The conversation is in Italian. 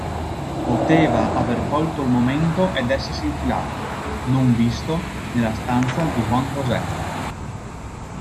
Poteva aver colto il momento ed essersi infilato, non visto, nella stanza di Juan José.